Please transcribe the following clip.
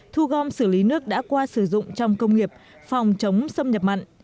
thu gom xử lý nước đã qua sử dụng trong công nghiệp phòng chống xâm nhập mặn